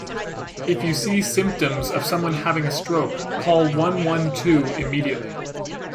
If you see symptoms of someone having a stroke call one-one-two immediately.